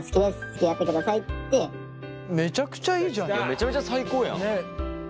めちゃめちゃ最高やん。